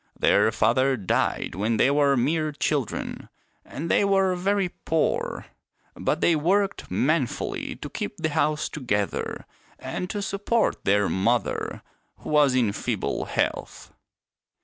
Their father died when they were mere children, and they were very poor. But they worked manfully to keep the house to gether and to support their mother, who was in feeble health.